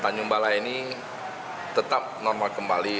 tanjung balai ini tetap normal kembali